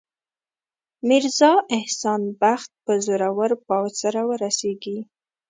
میرزا احسان بخت به زورور پوځ سره ورسیږي.